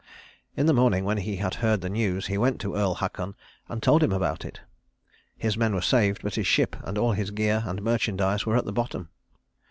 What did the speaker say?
In the morning, when he had heard the news, he went to Earl Haakon and told him about it. His men were saved; but his ship and all his gear and merchandise were at the bottom.